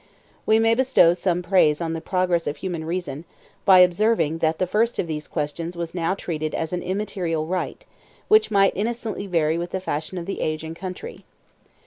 We may bestow some praise on the progress of human reason, by observing that the first of these questions was now treated as an immaterial rite, which might innocently vary with the fashion of the age and country.